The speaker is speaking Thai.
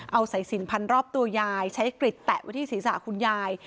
เอาสายสินพันรอบตัวยายใช้กริดแตะไว้ที่ศีรษะคุณยาย